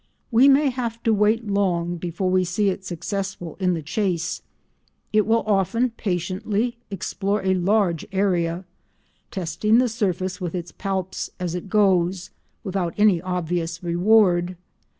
We may have to wait long before we see it successful in the chase. It will often patiently explore a large area, testing the surface with its palps as it goes, without any obvious reward.